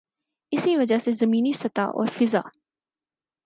اسی وجہ سے زمینی سطح اور فضا